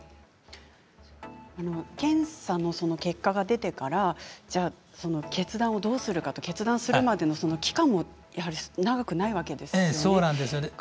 検査の結果が出てから決断をどうするのか決断するまでの期間は長くないわけですよね。